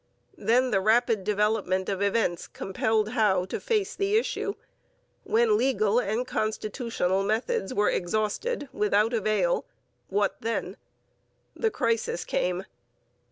Then the rapid development of events compelled Howe to face the issue: when legal and constitutional methods were exhausted without avail, what then? The crisis came.